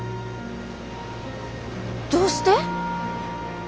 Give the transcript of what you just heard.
どうして？